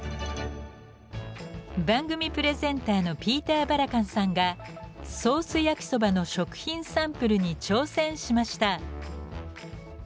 番組プレゼンターのピーター・バラカンさんがソース焼きそばの食品サンプルに挑戦しました。